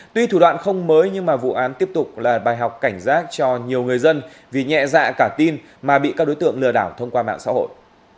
tuy thủ đoạn không mới nhưng vụ án tiếp tục là bài học cảnh giác cho nhiều người dân vì nhẹ dạ cả tin mà bị các đối tượng lừa đảo thông qua mạng xã hội